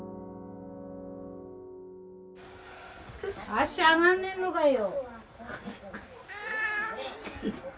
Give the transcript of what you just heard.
足上がんねえのかよ。